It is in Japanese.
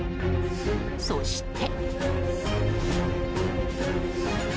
そして。